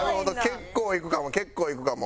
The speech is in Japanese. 結構いくかも結構いくかも。